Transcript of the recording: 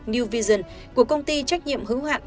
new vision của công ty trách nhiệm hữu hạn